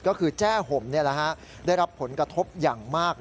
ก็คือแจ้ห่มได้รับผลกระทบอย่างมาก